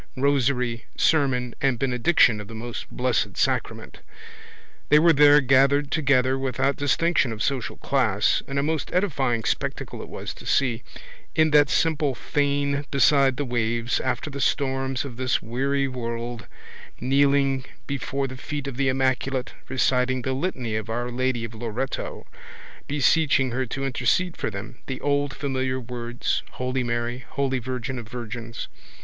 rosary, sermon and benediction of the Most Blessed Sacrament. They were there gathered together without distinction of social class (and a most edifying spectacle it was to see) in that simple fane beside the waves, after the storms of this weary world, kneeling before the feet of the immaculate, reciting the litany of Our Lady of Loreto, beseeching her to intercede for them, the old familiar words, holy Mary, holy virgin of virgins.